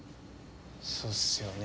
そうっすよね。